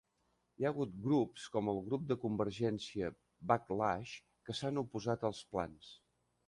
Hi ha hagut grups, com el grup de convergència Backlash, que s'han oposat als plans.